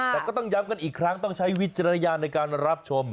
แต่ก็ต้องย้ำกันอีกครั้งต้องใช้วิจารณญาณในการรับชม